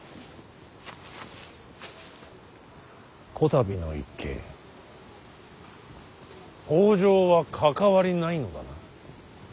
こたびの一件北条は関わりないのだな。